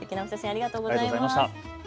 ありがとうございます。